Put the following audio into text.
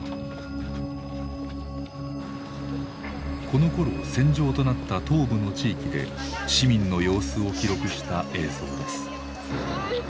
このころ戦場となった東部の地域で市民の様子を記録した映像です。